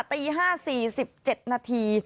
ตี๕๔๗นาที